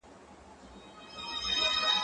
زه به سبا سبزیجات تياروم وم!.